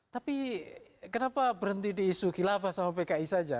tapi kenapa berhenti di isu khilafah sama pki saja